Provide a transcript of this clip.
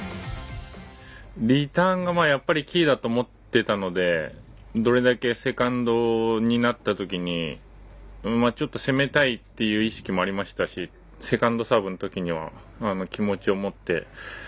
リターンが、やっぱりキーだと思ってたのでどれだけセカンドになったときにちょっと攻めたいっていう意識もありましたしセカンドサーブのときには気持ちを持って。